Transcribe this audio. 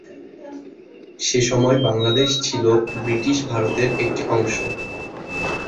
সেসময় বাংলাদেশ ছিলো ব্রিটিশ ভারতের একটি অংশ।